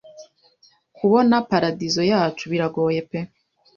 Kubona paradizo yacu! Biragoye pe